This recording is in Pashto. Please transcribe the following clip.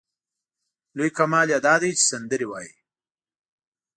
لوی کمال یې دا دی چې سندرې وايي.